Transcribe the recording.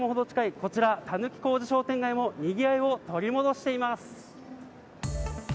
こちら、狸小路商店街もにぎわいを取り戻しています。